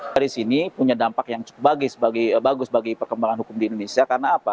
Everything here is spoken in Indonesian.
paris ini punya dampak yang cukup bagus bagi perkembangan hukum di indonesia karena apa